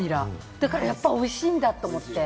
だからやっぱり美味しいんだと思って。